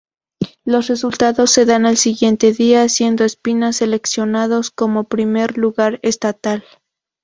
Los resultados se dan al siguiente día, siendo Espina seleccionados como primer lugar estatal.